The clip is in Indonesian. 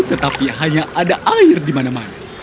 tetapi hanya ada air di mana mana